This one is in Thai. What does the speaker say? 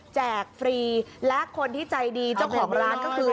ฟรีและคนที่ใจดีเจ้าของร้านก็คือ